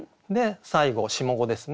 最後下五ですね。